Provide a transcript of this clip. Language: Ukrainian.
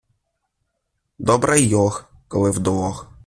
Добре й «ох», коли вдвох.